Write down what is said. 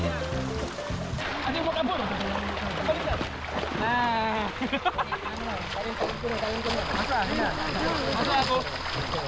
sebagai anak baru dah garam